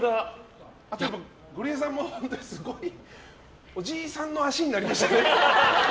ゴリエさんも本当におじいさんの足になりましたね。